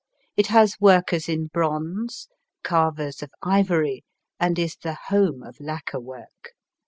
It has workers in bronze, carvers of ivory, and is the home of lacquer work.